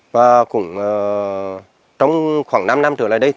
và cũng trong khoảng năm năm trở lại đây